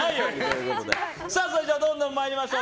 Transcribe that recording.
それではどんどん参りましょう。